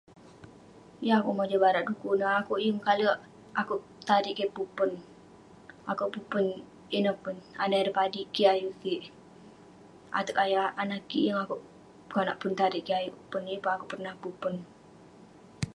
yeng akouk mojam barak du'kuk neh akouk yeng kalek akouk tarik kik pun pon, akouk pun pon ,ineh pun anah ireh padik kik ayuk kik..ateg yah anah kik, yeng akouk konak pun tarik kik ayuk pon, yeng pun akouk pernah pun pon